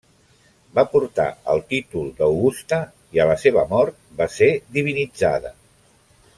Va portar el títol d'augusta i a la seva mort va ser divinitzada.